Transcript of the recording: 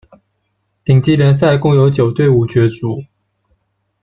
顶级联赛共有九队伍角逐。